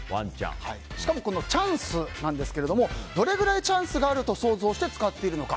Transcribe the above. しかも、チャンスなんですけどどれぐらいチャンスがあると想像して使っているのか。